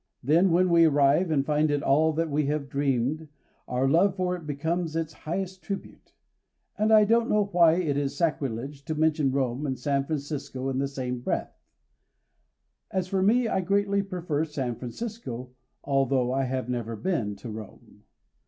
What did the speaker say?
Then when we arrive and find it all that we have dreamed, our love for it becomes its highest tribute. And I don't know why it is sacrilege to mention Rome and San Francisco in the same breath. As for me I greatly prefer San Francisco, although I have never been to Rome.